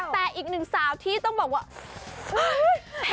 แต่อีกหนึ่งสาวที่ต้องบอกว่าเฮ้ย